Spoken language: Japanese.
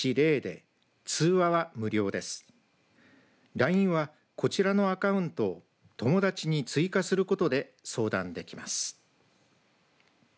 ＬＩＮＥはこちらのアカウントを友だちに追加することで相談できます。